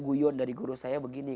guna guna yang berhenti sebelum kenyang